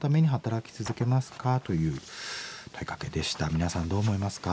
皆さんどう思いますか？